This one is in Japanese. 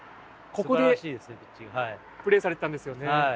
ここでプレーされてたんですよね。